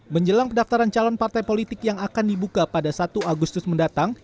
menjelang pendaftaran calon partai politik yang akan dibuka pada satu agustus mendatang